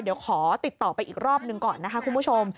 เดี๋ยวขอติดต่อไปอีกรอบหนึ่งก่อนนะคะคุณผู้ชม